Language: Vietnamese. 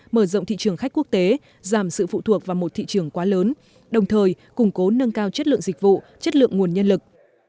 mở rộng thị trường khách quốc tế giảm sự phụ thuộc vào một thị trường quá lớn đồng thời củng cố nâng cao chất lượng dịch vụ chất lượng nguồn nhân lực